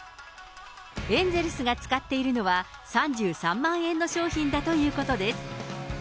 エンゼルスが使っているのは、３３万円の商品だということです。